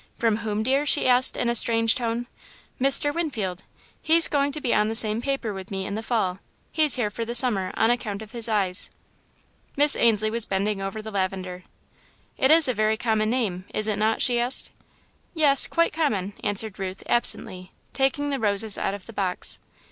"From whom, dear?" she asked, in a strange tone. "Mr. Winfield he's going to be on the same paper with me in the Fall. He's here for the Summer, on account of his eyes." Miss Ainslie was bending over the lavender. "It is a very common name, is it not?" she asked. "Yes, quite common," answered Ruth, absently, taking the roses out of the box.